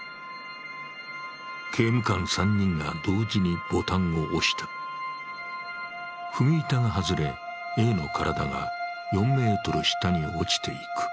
刑務官３人が同時にボタンを押した踏み板が外れ、Ａの体が４ｍ下に落ちていく。